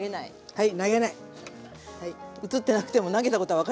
はい。